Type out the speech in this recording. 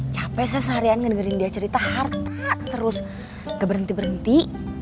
capek saya seharian dengerin dia cerita harta terus gak berhenti berhenti